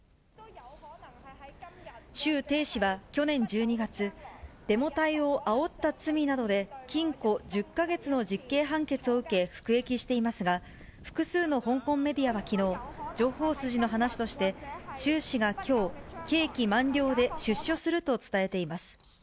周庭氏は去年１２月、デモ隊をあおった罪などで禁錮１０か月の実刑判決を受け、服役していますが、複数の香港メディアはきのう、情報筋の話として、周氏がきょう、刑期満了で出所すると伝えています。